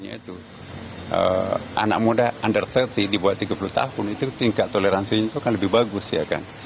anak muda under tiga puluh dibuat tiga puluh tahun itu tingkat toleransinya akan lebih bagus ya kan